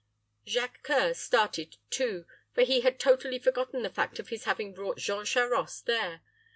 Jacques C[oe]ur started too; for he had totally forgotten the fact of his having brought Jean Charost there.